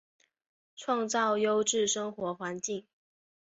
创造优质生活环境